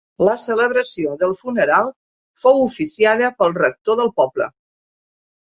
La celebració del funeral fou oficiada pel rector del poble.